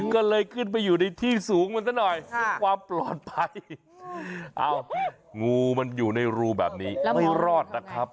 ก็เลยขึ้นไปอยู่ในที่สูงมันซะหน่อยเพื่อความปลอดภัยเอางูมันอยู่ในรูแบบนี้ไม่รอดนะครับ